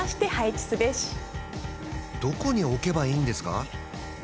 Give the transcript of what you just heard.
どこに置けばいいんですか？